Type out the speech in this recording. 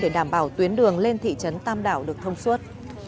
để đảm bảo tuyến đường lên thị trấn tam đảo được thông suốt